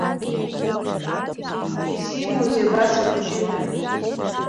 Изимоузеи абас агәыҷыда?